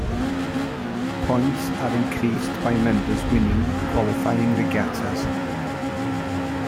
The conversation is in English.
Points are increased by members winning qualifying regattas.